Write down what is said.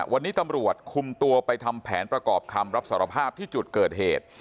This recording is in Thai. วันนี้ตำรวจคุมตัวไปทำแผนประกอบคำรับสารภาพที่จุดเกิดเหตุ